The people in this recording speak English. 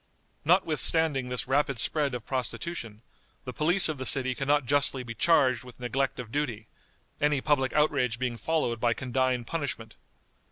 Notwithstanding this rapid spread of prostitution, the police of the city can not justly be charged with neglect of duty, any public outrage being followed by condign punishment.